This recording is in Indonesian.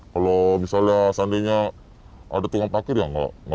kalau misalnya seandainya ada tengah tengah parkir ya gak berhasil